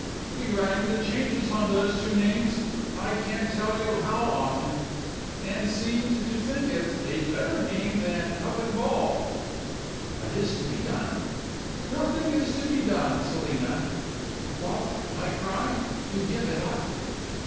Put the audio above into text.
He rang the changes on those two names, I can't tell you how often, and seemed to think it a better game than cup and ball.' "'What is to be done?' "'Nothing is to be done, Selina.' "'What!' I cried, 'you give it up?